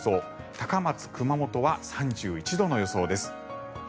高松、熊本は３１度の予想です。